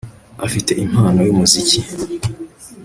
Afite impano yumuziki